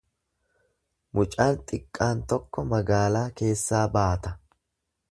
Mucaan xiqqaan tokko magaalaa keessaa baata.